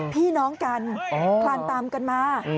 พี่น้องกันคลานตามกันมา